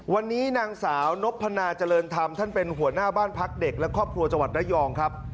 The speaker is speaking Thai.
วันนี้นางสาวนพนาเจริญธรรมท่านเป็นหัวหน้าบ้านพักเด็กและครอบครัวจังหวัดระยองครับ